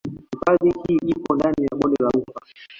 Hifadhi hii ipo ndani ya bonde la ufa